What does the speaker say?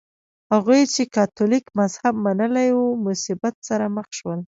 هغوی چې کاتولیک مذهب منلی و مصیبت سره مخ شول.